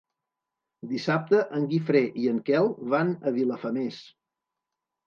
Dissabte en Guifré i en Quel van a Vilafamés.